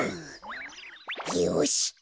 よし！